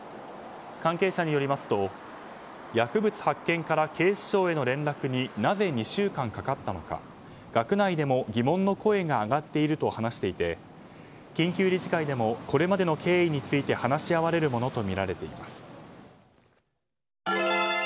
関係者によりますと薬物発見から警視庁への連絡になぜ２週間かかったのか学内でも疑問の声が上がっていると話していて緊急理事会でもこれまでの経緯について話し合われるものとみられています。